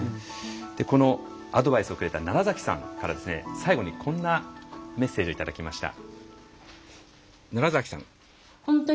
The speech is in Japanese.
このアドバイスをくれた奈良崎さんから最後に、こんなメッセージをいただきました。